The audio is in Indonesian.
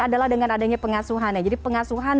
adalah dengan adanya pengasuhan ya jadi pengasuhan